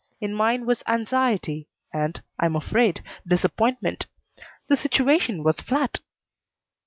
In mine was anxiety and, I'm afraid, disappointment. The situation was flat.